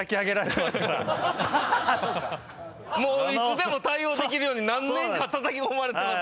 いつでも対応できるように何年かたたき込まれてますから。